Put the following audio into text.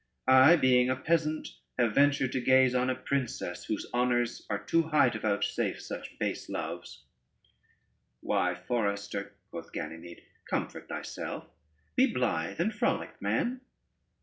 I being a peasant, have ventured to gaze on a princess, whose honors are too high to vouchsafe such base loves." [Footnote 1: precious.] "Why, forester," quoth Ganymede, "comfort thyself; be blithe and frolic man.